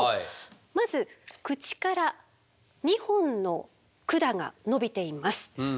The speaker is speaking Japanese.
まず口から２本の管が伸びています。